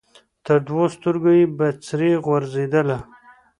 تر دوو سترګو یې بڅري غورځېدله